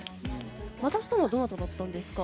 渡したのはどなただったんですか？